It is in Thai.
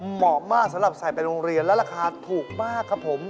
เหมาะมากสำหรับใส่ไปโรงเรียนและราคาถูกมากครับผม